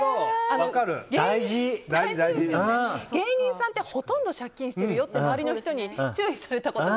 芸人さんってほとんど借金してるよって周りの人に注意されて。